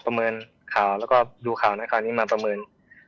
เมินข่าวแล้วก็ดูข่าวในขณะนี้มาประเมิน